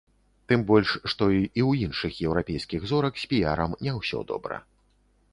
Тым больш, што і ў іншых еўрапейскіх зорак з піярам не ўсё добра.